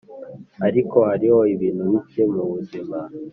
ariko hariho ibintu bike mubuzima